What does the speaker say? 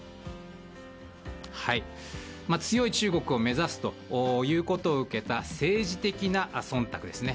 強い中国を目指すということを受けた政治的な忖度ですね。